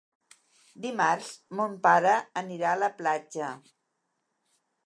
Dimarts mon pare anirà a la platja.